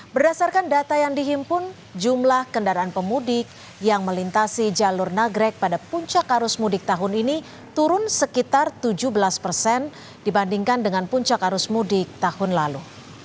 berdasarkan data yang dihimpun jumlah kendaraan pemudik yang melintasi jalur nagrek pada puncak arus mudik tahun ini turun sekitar tujuh belas persen dibandingkan dengan puncak arus mudik tahun lalu